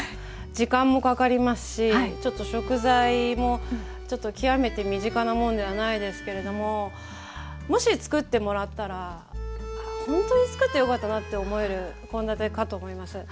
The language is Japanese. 時間もかかりますしちょっと食材もちょっと極めて身近なものではないですけれどももし作ってもらったらほんとに作ってよかったなって思える献立かと思います。